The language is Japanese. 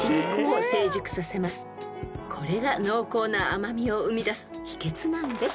［これが濃厚な甘味を生み出す秘訣なんです］